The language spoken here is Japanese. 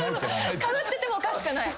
かぶっててもおかしくない。